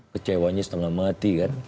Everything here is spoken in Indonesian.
kecewanya setengah mati kan